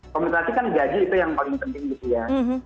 kompensasi kan gaji itu yang paling penting gitu ya